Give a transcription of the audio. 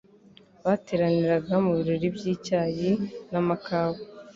Bateraniraga mu birori by'icyayi namakawa